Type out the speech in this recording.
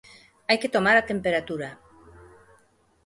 Hai que tomar a temperatura.